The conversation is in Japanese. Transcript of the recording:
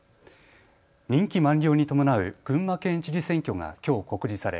任期満了に伴う群馬県知事選挙がきょう告示され